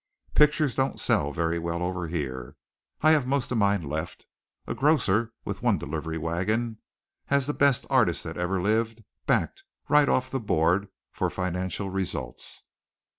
Pictures don't sell very well over here. I have most of mine left. A grocer with one delivery wagon has the best artist that ever lived backed right off the board for financial results."